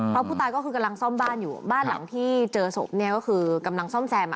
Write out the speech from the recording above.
เพราะผู้ตายก็คือกำลังซ่อมบ้านอยู่บ้านหลังที่เจอศพกำลังซ่อมแซม